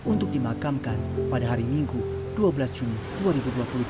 untuk dimakamkan pada hari minggu dua belas juni dua ribu dua puluh dua